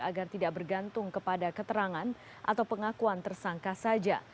agar tidak bergantung kepada keterangan atau pengakuan tersangka saja